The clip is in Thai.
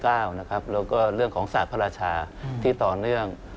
แล้วก็เรื่องของศาสตร์พระราชาที่ต่อเนื่อง